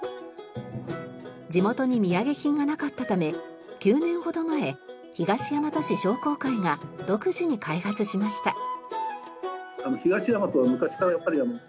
地元に土産品がなかったため９年ほど前東大和市商工会が独自に開発しました。